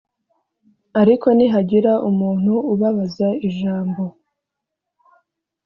Ariko nihagira umuntu ubabaza ijambo